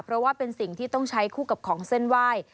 เพราะว่าเป็นสิ่งที่ต้องใช้คู่กับของเส้นไหว้